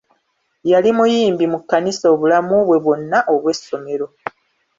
Yali muyimbi mu kkanisa obulamu bwe bwonna obw'essomero.